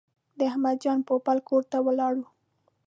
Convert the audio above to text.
د احمد جان پوپل کور ته ولاړو.